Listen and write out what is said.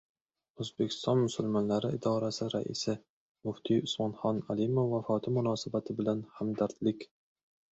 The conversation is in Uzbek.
O‘zbekiston musulmonlari idorasi raisi, muftiy Usmonxon Alimov vafoti munosabati bilan hamdardlik